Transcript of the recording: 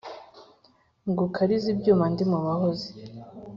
Ngukarize ibyuma ndi mu bahozi.